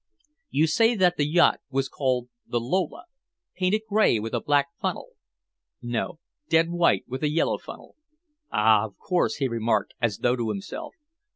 "You say that the yacht was called the Lola painted gray with a black funnel." "No, dead white, with a yellow funnel." "Ah! Of course," he remarked, as though to himself.